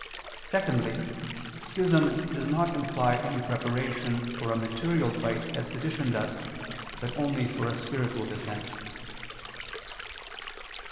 Secondly, schism does not imply any preparation for a material fight as sedition does, but only for a spiritual dissent.